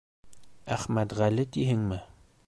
— Эхмәтғәле тиһеңме?